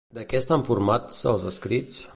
De què estan formats els escrits?